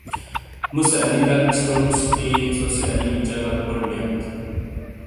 مُو سے انی دک چھُروموس کہ ژھوسے انی چگا کونڈ دیات۔